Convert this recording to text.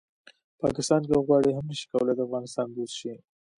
پاکستان که وغواړي هم نه شي کولی د افغانستان دوست شي